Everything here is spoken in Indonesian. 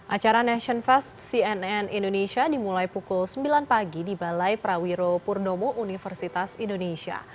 acara nation fest cnn indonesia dimulai pukul sembilan pagi di balai prawiro purnomo universitas indonesia